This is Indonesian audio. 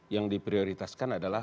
yang diprioritaskan adalah